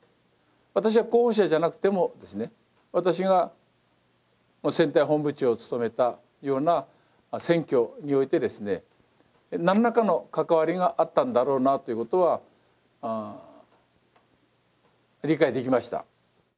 私は候補者じゃなくてもですね、私が選対本部長を務めたような選挙において、なんらかの関わりがあったんだろうなということは、理解できました。